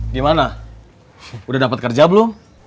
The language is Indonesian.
gimana udah dapat kerja belum